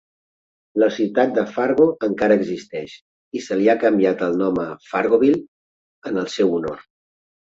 La ciutat de Fargo encara existeix i se li ha canviat el nom a Fargoville en el seu honor.